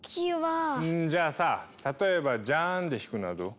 んじゃあさ例えばジャーンで弾くのはどう？